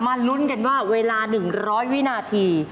ลุ้นกันว่าเวลา๑๐๐วินาที